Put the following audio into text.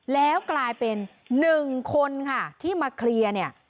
แล้วกลายเป็น๑คนค่ะที่มาเคลียร์เนี่ย